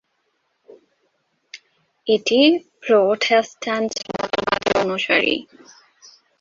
এটি প্রোটেস্ট্যান্ট মতবাদের অনুসারী।